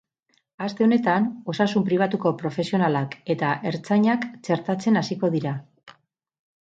Aste honetan, osasun pribatuko profesionalak eta ertzainak txertatzen hasiko dira.